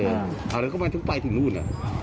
เอาแล้วก็มันจะไปถึงนู้นอ่ะ